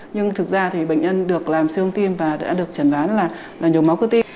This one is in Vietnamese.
nhưng thực ra thì bệnh nhân được làm siêu hông tim và đã được trần ván là nhồi máu cơ tim